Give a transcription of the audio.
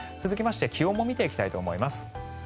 続きまして気温も見ていきたいと思います。